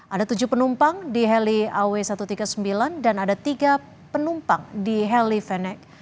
ada tujuh penumpang di heli aw satu ratus tiga puluh sembilan dan ada tiga penumpang di heli fennect